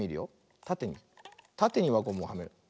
たてにわゴムをはめる。